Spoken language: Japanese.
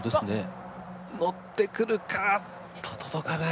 乗ってくるか届かない。